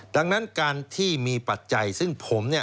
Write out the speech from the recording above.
ดังนั้นการที่มีปัจจัยซึ่งผมเนี่ย